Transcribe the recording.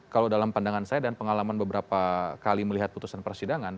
kalau dalam pandangan saya dan pengalaman beberapa kali melihat putusan persidangan